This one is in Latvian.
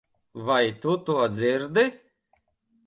Vai tu to dzirdi?